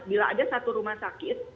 bila ada satu rumah sakit